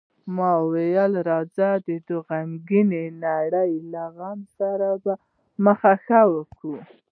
ما وویل: راځه، د دې غمګینې نړۍ له غمو سره مخه ښه وکړو.